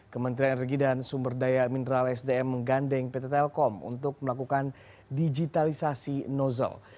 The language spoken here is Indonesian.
kementerian energi dan sumber daya mineral sdm menggandeng pt telkom untuk melakukan digitalisasi nozzle